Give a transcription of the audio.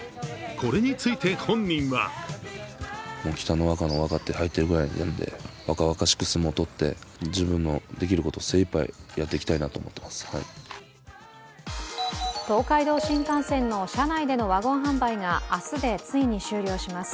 これについて本人は東海道新幹線の車内でのワゴン販売が明日でついに終了します。